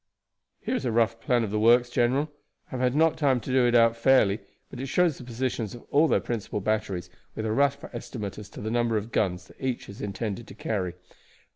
"Here is a rough plan of the works, general. I have not had time to do it out fairly, but it shows the positions of all their principal batteries, with a rough estimate as to the number of guns that each is intended to carry."